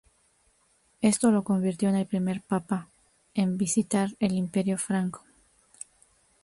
Esto lo convirtió en el primer papa en visitar el imperio Franco.